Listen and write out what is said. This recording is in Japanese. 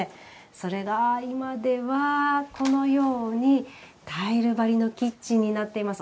それが今ではこのようにタイル張りのキッチンになっています。